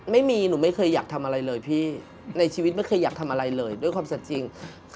ไม่มีหนูไม่เคยอยากทำอะไรเลยพี่ในชีวิตไม่เคยอยากทำอะไรเลยด้วยความสัดจริง